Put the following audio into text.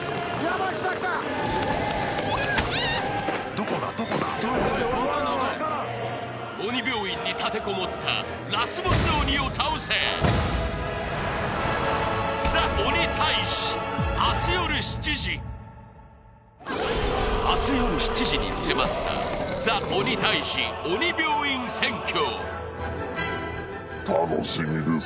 ・どこだどこだ・分からん鬼病院に立てこもったラスボス鬼を倒せ明日夜７時に迫った「ＴＨＥ鬼タイジ鬼病院占拠」